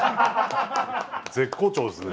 絶好調ですね。